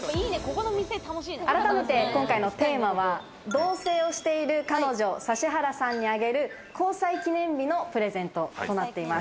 改めて今回のテーマは同棲をしている彼女・指原さんにあげる交際記念日のプレゼントとなっています。